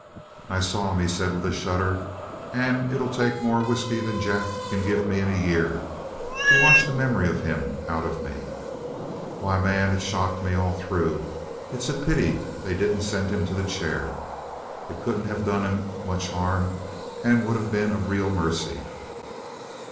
"I saw him," he said with a shudder, "and it 'll take more whiskey than Jack can give me in a year to wash the memory of him out of me. Why, man, it shocked me all through. It 's a pity they did n't send him to the chair. It could n't have done him much harm and would have been a real mercy."